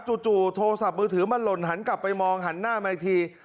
จู่โทรศัพท์มือถือมันหล่นหันกลับไปมองหันหน้ามาอีกที